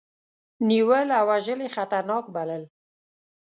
نیول او وژل یې خطرناک بلل.